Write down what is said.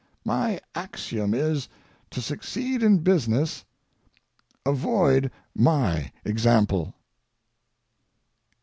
My axiom is, to succeed in business: avoid my example.